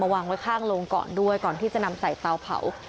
วางไว้ข้างโรงก่อนด้วยก่อนที่จะนำใส่เตาเผา